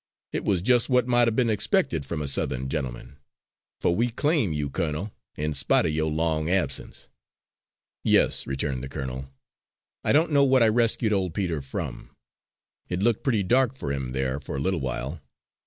It was just what might have been expected from a Southern gentleman; for we claim you, colonel, in spite of your long absence." "Yes," returned the colonel, "I don't know what I rescued old Peter from. It looked pretty dark for him there for a little while.